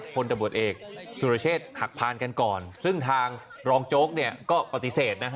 ตำรวจเอกสุรเชษฐ์หักพานกันก่อนซึ่งทางรองโจ๊กก็ปฏิเสธนะ